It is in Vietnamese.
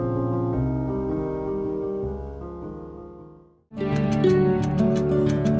không ai nhớ mặt đặt tên nhưng họ đã làm ra đất nước